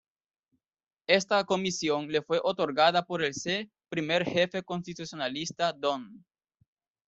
Esta comisión le fue otorgada por el C. Primer Jefe Constitucionalista Don.